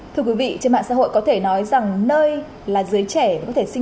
thưa quý vị trên mạng xã hội có thể nói rằng nơi là giới trẻ có thể sinh hoạt hàng ngày